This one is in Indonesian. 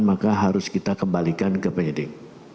maka harus kita kembalikan ke penyidik